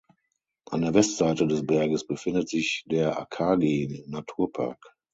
An der Westseite des Berges befindet sich der Akagi-Naturpark.